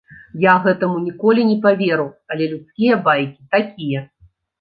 Я гэтаму ніколі не паверу, але людскія байкі такія.